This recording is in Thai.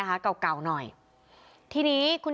เธอคงสนุก